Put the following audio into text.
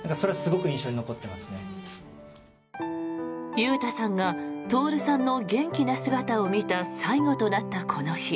裕太さんが徹さんの元気な姿を見た最後となったこの日。